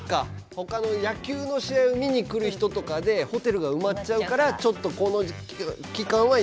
ほかの野球の試合を見に来る人とかでホテルが埋まっちゃうからちょっとこの期間はやめましょうっていうことなんですね。